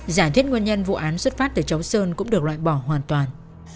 giả thuyết nguyên nhân vụ án xuất phát từ cháu sơn cũng được loại bỏ hoàn toàn